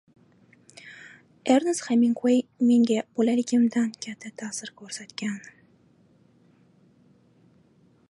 Ernest Heminguey menga bolaligimdan katta ta’sir ko‘rsatgan…